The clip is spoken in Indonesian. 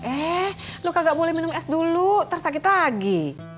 eh lo kagak boleh minum es dulu tersakit lagi